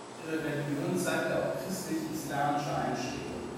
Ihre Religion zeigte auch christlich-islamische Einschläge.